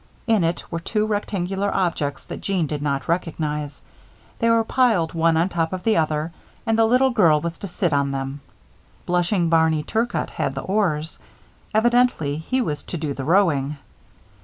In it were two rectangular objects that Jeanne did not recognize. They were piled one on top of the other, and the little girl was to sit on them. Blushing Barney Turcott had the oars. Evidently he was to do the rowing.